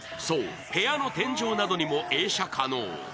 そう、部屋の天井などにも映写可能。